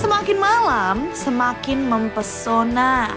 semakin malam semakin mempesona